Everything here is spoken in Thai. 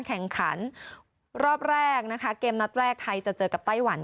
แข่งขันรอบแรกนะคะเกมนัดแรกไทยจะเจอกับไต้หวัน